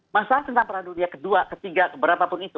masalah tentang perang dunia ke dua ke tiga ke berapa pun itu